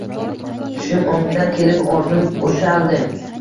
Tushim o‘ngidan kelib, orzum ushaldi